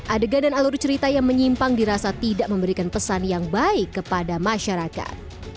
adegan dan alur cerita yang menyimpang dirasa tidak memberikan pesan yang baik kepada masyarakat